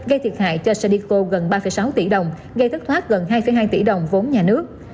gây thiệt hại cho sandico gần ba sáu tỷ đồng gây thất thoát gần hai hai tỷ đồng vốn nhà nước